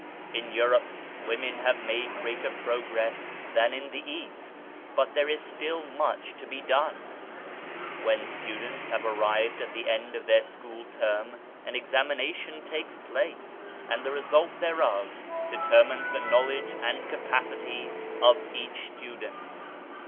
In Europe women have made greater progress than in the East, but there is still much to be done ! When students have arrived at the end of their school term an examination takes place, and the result thereof determines the knowledge and capacity of each student.